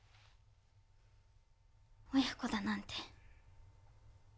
親子だなんて。